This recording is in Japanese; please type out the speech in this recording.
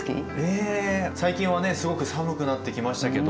最近はねすごく寒くなってきましたけど。